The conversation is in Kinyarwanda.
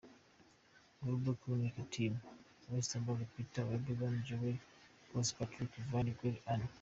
Global Cycling Team: Woestenberg Peter, Breewel Jeroen, Kos Patrick na Van Gils Arne.